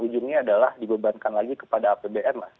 ujungnya adalah dibebankan lagi kepada apbn mas